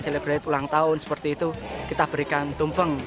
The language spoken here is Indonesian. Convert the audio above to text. selebrate ulang tahun seperti itu kita berikan tumpeng